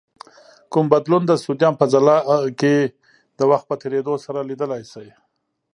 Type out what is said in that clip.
کوم بدلون د سودیم په ځلا کې د وخت په تیرېدو سره لیدلای شئ؟